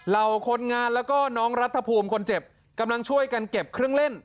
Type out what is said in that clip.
เหล่าคนงานแล้วก็น้องรัฐภูมิคนเจ็บกำลังช่วยกันเก็บเครื่องเล่น